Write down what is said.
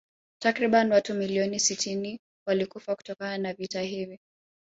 Takriban watu milioni sitini walikufa kutokana na vita hivi